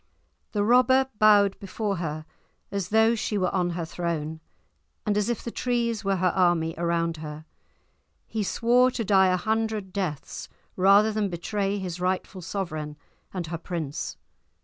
The robber bowed before her as though she were on her throne, and as if the trees were her army around her. He swore to die a hundred deaths rather than betray his rightful sovereign and her prince.